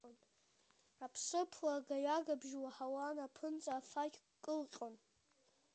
Аԥсыԥлагаҩагабжьы уаҳауан, аԥынҵа афақь кылҟьон.